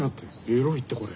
エロいってこれ。